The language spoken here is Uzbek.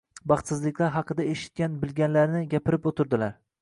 Baxtsizliklar haqida eshitgan-bilganlarini gapirib o‘tirdilar.